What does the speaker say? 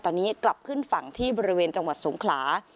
ตอนนี้กลับขึ้นฝั่งที่บริเวณจังหวัดสงขลา